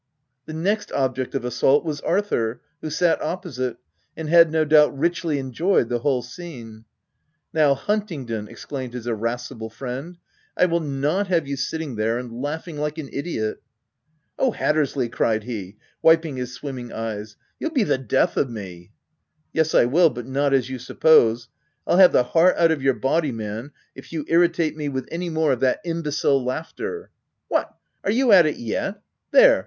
The next object of assault was Arthur, who sat opposite, and had no doubt richly enjoyed the whole scene. "Now Huntingdon," exclaimed his irascible friend, a I wil,l not have you sitting there and laughing like an idiot !''" Oh, Hattersley P cried he, wiping his swimming eyes —" you'll be the death of me." "Yes I will, but not as you suppose: I'll have the heart out of your body, man, if you irritate me with any more of that imbecile OF WILDFELL HALL. 239 laughter !— What ! are you at it yet?— There